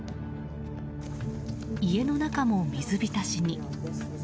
家の中も水浸しに。